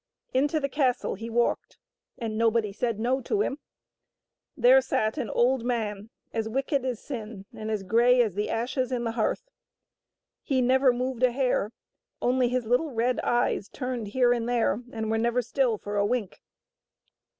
Into the castle he walked, and nobody said " No " to him. There sat an old man, as wicked as sin and as grey as the ashes in the hearth. He never moved a hair, only his little red eyes turned here and there, and were never still for a wink.